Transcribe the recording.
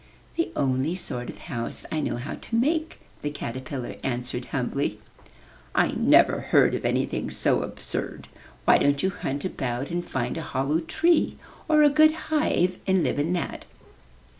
"The only sort of house I know how to make," the caterpillar answered humbly. "I never heard of anything so absurd. Why don't you hunt about and find a hollow tree, or a good hive, and live in that?